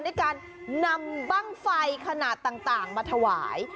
ในการนำบั้งไฟขนาดต่างมาถวาย